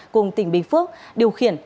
cùng tỉnh bình phước điều khiển